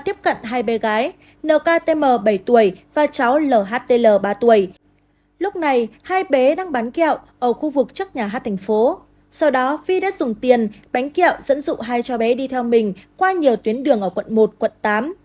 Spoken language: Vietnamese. vi đến khu vực phố đi bộ nguyễn huệ và tiếp cận hai bé gái nktm bảy tuổi và cháu lhtl ba tuổi lúc này hai bé đang bán kẹo ở khu vực chất nhà hát thành phố sau đó vi đã dùng tiền bánh kẹo dẫn dụ hai cháu bé đi theo mình qua nhiều tuyến đường ở quận một quận tám